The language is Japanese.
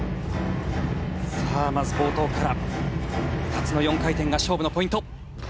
さあまず冒頭から２つの４回転が勝負のポイント。